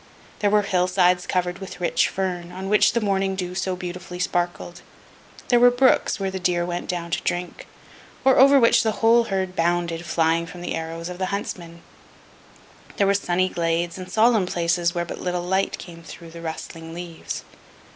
There were hill sides covered with rich fern, on which the morning dew so beautifully sparkled; there were brooks, where the deer went down to drink, or over which the whole herd bounded, flying from the arrows of the huntsmen; there were sunny glades, and solemn places where but little light came through the rustling leaves.